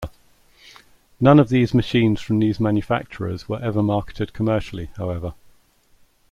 None of these machines from these manufacturers were ever marketed commercially, however.